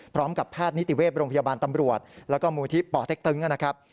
พร้อมกับแพทย์นิติเวศโรงพยาบาลตำรวจแล้วก็มูลที่ป่อเต็กตึงนะครับ